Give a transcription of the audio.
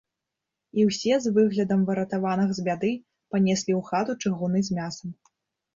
І ўсе, з выглядам выратаваных з бяды, панеслі ў хату чыгуны з мясам.